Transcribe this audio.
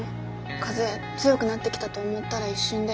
風強くなってきたと思ったら一瞬で。